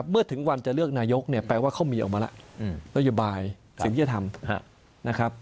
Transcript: เมื่อถึงวันจะเลือกนายกแปลว่าเขามีออกมาแล้วเรียบายสิ่งที่จะทำ